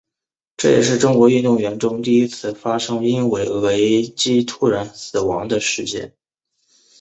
这也是中国运动员中第一次发生因为雷击突然死亡的事件。